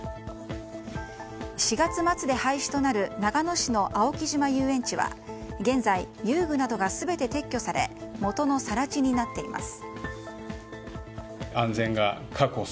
４月末で廃止となる長野市の青木島遊園地は現在、遊具などが全て撤去され元の更地になっています。